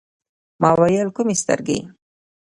ما ویل: کومي سترګي ؟